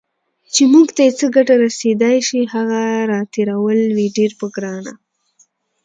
چې موږ ته یې څه ګټه رسېدای شي، هغه راتېرول وي ډیر په ګرانه